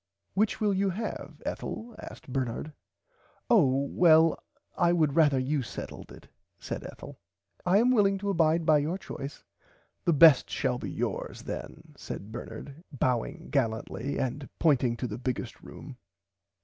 Which will you have Ethel asked Bernard. Oh well I would rarther you settled it [Pg 78] said Ethel. I am willing to abide by your choice. The best shall be yours then said Bernard bowing gallantly and pointing to the biggest room.